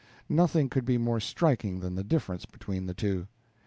Nothing could be more striking than the difference between the two.